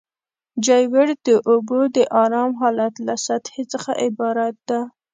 جیوئید د اوبو د ارام حالت له سطحې څخه عبارت ده